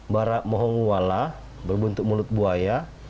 barak mohong wala berbentuk mulut buaya